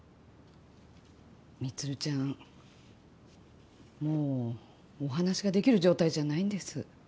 充ちゃんもうお話しができる状態じゃないんです。